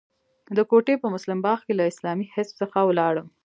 د کوټې په مسلم باغ کې له اسلامي حزب څخه ولاړم.